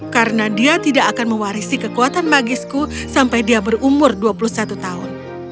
karena dia tidak akan mewarisi kekuatan magisku sampai dia berumur dua puluh satu tahun